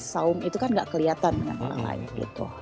saum itu kan nggak kelihatan dengan orang lain gitu